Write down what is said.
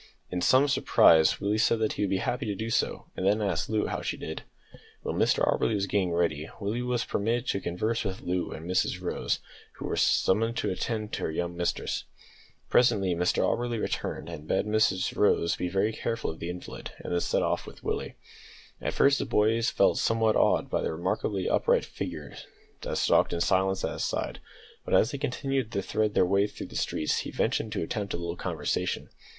In some surprise Willie said that he would be happy to do so, and then asked Loo how she did. While Mr Auberly was getting ready, Willie was permitted to converse with Loo and Mrs Rose, who was summoned to attend her young mistress. Presently Mr Auberly returned, bade Mrs Rose be very careful of the invalid, and then set off with Willie. At first the boy felt somewhat awed by the remarkably upright figure that stalked in silence at his side, but as they continued to thread their way through the streets he ventured to attempt a little conversation.